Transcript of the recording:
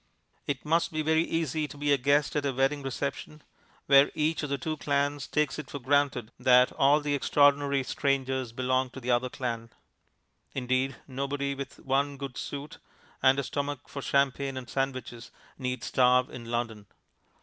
It must be very easy to be a guest at a wedding reception, where each of the two clans takes it for granted that all the extraordinary strangers belong to the other clan. Indeed, nobody with one good suit, and a stomach for champagne and sandwiches, need starve in London.